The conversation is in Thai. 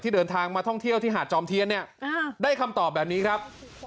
เดินทางมาท่องเที่ยวที่หาดจอมเทียนเนี่ยได้คำตอบแบบนี้ครับ